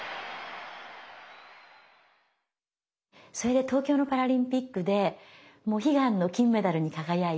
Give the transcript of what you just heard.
それで東京のパラリンピックで悲願の金メダルに輝いて。